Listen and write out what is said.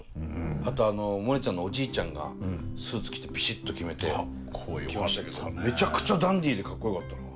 あとあのモネちゃんのおじいちゃんがスーツ着てピシッと決めて来ましたけどめちゃくちゃダンディーでかっこよかったな。